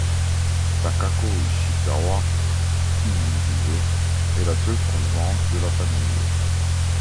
Takako Ishikawa, qui y vivait, est la seule survivante de la famille.